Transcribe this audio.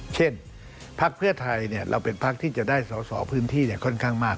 พักเพื่อไทยเราเป็นพักที่จะได้สอสอพื้นที่ค่อนข้างมาก